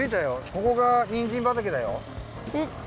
ここがにんじんばたけだよ。